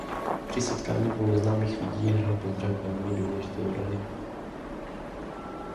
Při setkání dvou neznámých lidí hraje pozdrav velmi důležitou roli.